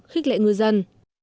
khích lệ ngư dân